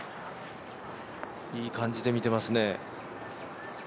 いい感じで見ていますね。